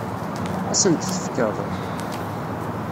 Ad asen-t-tefkeḍ?